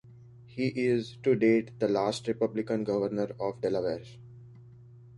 He is, to date, the last Republican governor of Delaware.